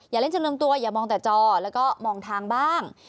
อย่าเล่นจำนวนตัวอย่ามองแต่จอแล้วก็มองทางบ้าง